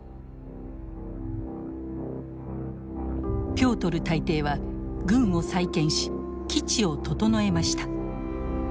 ピョートル大帝は軍を再建し基地を整えました。